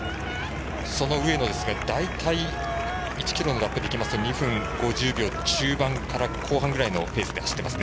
その上野ですが大体１ｋｍのラップでいいますと２分５０秒中盤から後半ぐらいのペースで走っていますね。